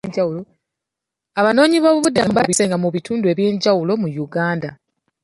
Abanoonyiboobubudamu baasenga mu bitundu ebyenjawulo mu Uganda.